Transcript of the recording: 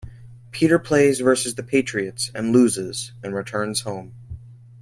Peter plays versus the Patriots and loses, and returns home.